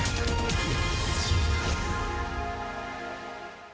โปรดติดตามตอนต่อไป